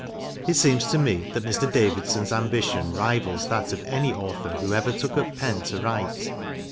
It seems to me that Mr. Davidson's ambition rivals that of any Author who ever took up pen to write.